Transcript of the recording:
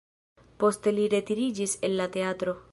Poste li retiriĝis el la teatro.